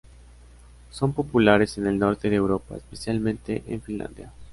Son populares en el Norte de Europa, especialmente en Finlandia.